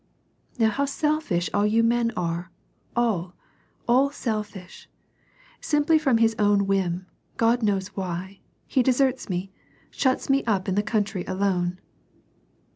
" Now how selfish all you men are, all, all selfish. Simply from his own whim, Grod knows why, he deserts me, shuts me up in the country alone."